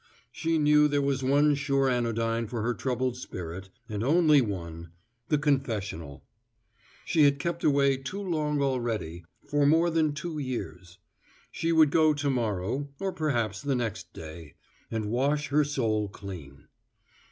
She knew there was one sure anodyne for her troubled spirit, and only one the confessional. She had kept away too long already, for more than two years. She would go to morrow, or perhaps the next day, and wash her soul clean.